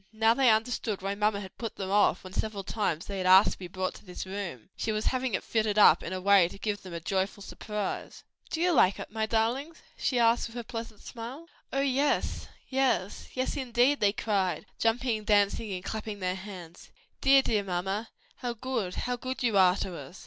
Now they understood why mamma had put them off when several times they had asked to be brought to this room: she was having it fitted up in a way to give them a joyful surprise. "Do you like it, my darlings?" she asked with a pleased smile. "Oh, yes, yes! yes indeed!" they cried, jumping, dancing and clapping their hands, "dear, dear mamma, how good, how good you are to us!"